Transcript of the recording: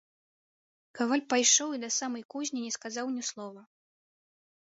Каваль пайшоў і да самай кузні не сказаў ні слова.